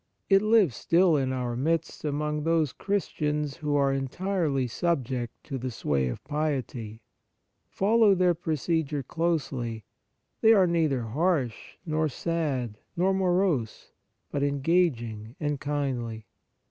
It lives still in our midst amongst those Christians who are entirely subject to the sway of piety. Follow their procedure closely. They are neither harsh, nor sad, nor morose, but engaging and kindly.